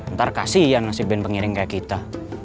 ntar kasihan si ben pengiring kayak kita